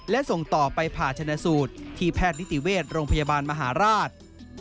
และส่งต่อไปผ่าชนะสูตรที่แพทย์นิติเวชโรงพยาบาลมหาราช